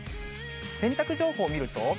洗濯情報見ると。